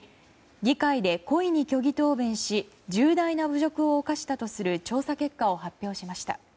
議会で故意に虚偽答弁をし重大な侮辱を犯したとする調査結果を発表しました。